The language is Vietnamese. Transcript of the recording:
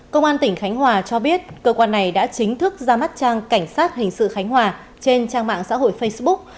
công an tỉnh khánh hòa cho biết cơ quan này đã chính thức ra mắt trang cảnh sát hình sự khánh hòa trên trang mạng xã hội facebook